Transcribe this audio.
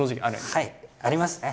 はいありますね。